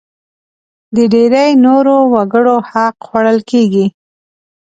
د ډېری نورو وګړو حق خوړل کېږي.